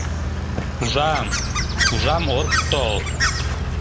Ужам, ужам — от тол!